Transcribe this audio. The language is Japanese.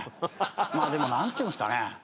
まあでも何ていうんすかね？